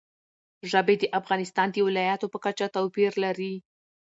ژبې د افغانستان د ولایاتو په کچه توپیر لري.